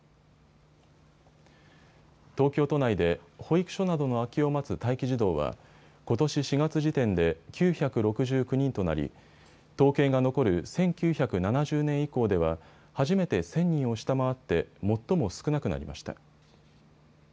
東京都内で保育所などの空きを待つ待機児童はことし４月時点で９６９人となり統計が残る１９７０年以降では初めて１０００人を下回って最も少なくなりました。